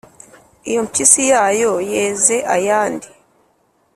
Iyo mpishyi yayo yeze ayandi.